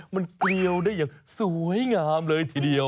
มันเกลียวได้อย่างสวยงามเลยทีเดียว